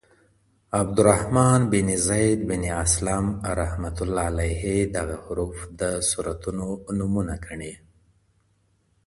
عبدالرحمن بن زيد بن أسلم رحمه الله دغه حروف د سورتونو نومونه ګڼي.